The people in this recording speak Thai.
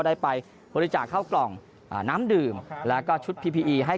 ได้ไปบริจาคเข้ากล่องน้ำดื่มแล้วก็ชุดพีพีอีให้